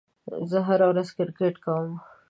زه هره ورځ کرېکټ کوم.